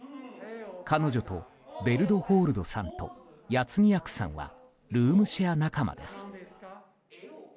彼女とベルドホールドさんとヤツニヤクさんはルームシェア仲間です。